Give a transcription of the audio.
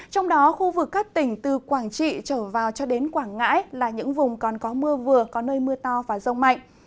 trong đó khu vực các tỉnh từ quảng trị trở vào cho đến quảng ngãi là những vùng còn có mưa vừa có nơi mưa to và rông mạnh